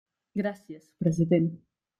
Gràcies, president.